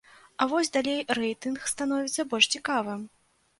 А вось далей рэйтынг становіцца больш цікавым.